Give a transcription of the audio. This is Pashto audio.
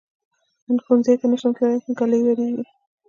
نن ښؤونځي ته نشم تللی، ږلۍ وریږي.